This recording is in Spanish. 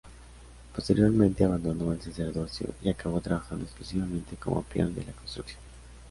Posteriormente abandonó el sacerdocio y acabó trabajando exclusivamente como peón de la construcción.